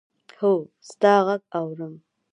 هو! ستا ږغ اورم.